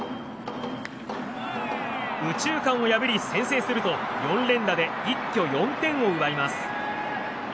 右中間を破り先制すると４連打で一挙４点を奪います。